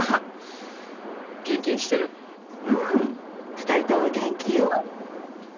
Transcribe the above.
２人とも元気よ。